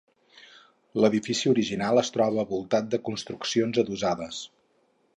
L’edifici original es troba voltat de construccions adossades.